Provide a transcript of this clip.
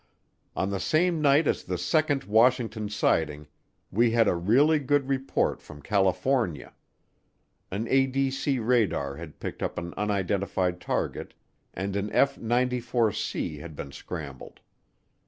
On the same night as the second Washington sighting we had a really good report from California. An ADC radar had picked up an unidentified target and an F 94C had been scrambled.